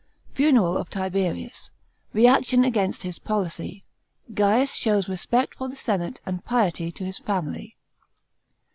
Funeral of Tiberius. Reaction against his policy. Gaius shows respect for the senate and piety to his family.